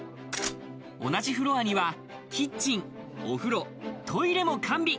同じフロアにはキッチン、お風呂、トイレも完備。